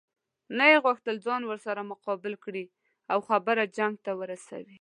نه یې غوښتل ځان ورسره مقابل کړي او خبره جنګ ته ورسوي.